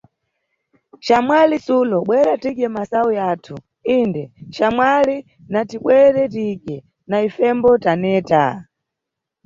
Xamwali Sulo, bwera tidye masayu yathu, inde, xamwali, natibwere tidye, na ifembo taneta.